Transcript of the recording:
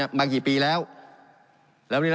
การปรับปรุงทางพื้นฐานสนามบิน